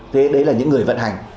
thế đấy là những người vận hành